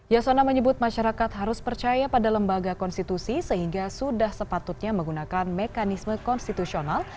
yasona menyebut masyarakat harus percaya pada lembaga konstitusi sehingga sudah sepatutnya menggunakan mekanisme konstitusional